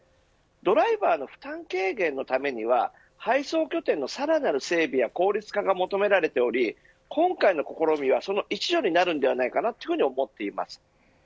ドライバーの負担軽減のためには配送拠点のさらなる整備や効率化が求められており今回の試みはその一助になるんではないかと思います。